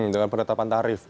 dengan penetapan tarif